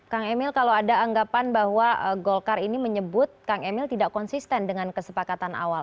kang emil kalau ada anggapan bahwa golkar ini menyebut kang emil tidak konsisten dengan kesepakatan awal